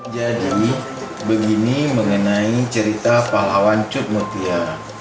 jadi begini mengenai cerita pahlawan cutmutia